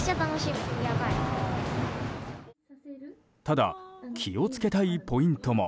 ただ気を付けたいポイントも。